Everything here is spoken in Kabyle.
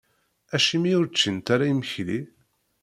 Acimi ur ččint ara imekli?